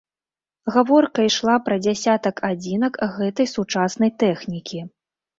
Гаворка ішла пра дзясятак адзінак гэтай сучаснай тэхнікі.